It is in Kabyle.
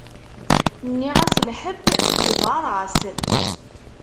Nniɣ-as lḥeb yeḍar-as.